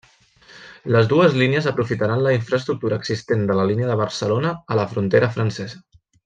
Les dues línies aprofitaran la infraestructura existent de la línia Barcelona a la frontera francesa.